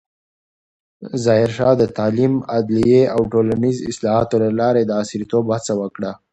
ظاهرشاه د تعلیم، عدلیې او ټولنیزو اصلاحاتو له لارې د عصریتوب هڅه وکړه.